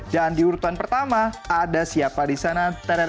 dan di urutan pertama ada siapa di sana